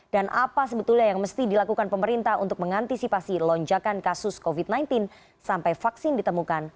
dan apa sebetulnya yang mesti dilakukan pemerintah untuk mengantisipasi lonjakan kasus covid sembilan belas sampai vaksin ditemukan